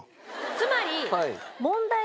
つまり。